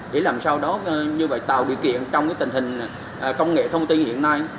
để làm sao đó như vậy tạo điều kiện trong tình hình công nghệ thông tin hiện nay